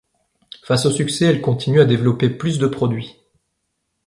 Face au succès, elle continue à développer plus de produits.